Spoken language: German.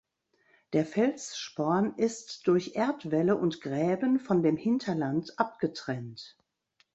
Der Felssporn ist durch Erdwälle und Gräben von dem Hinterland abgetrennt.